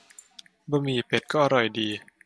บะหมี่เป็ดก็อร่อยดี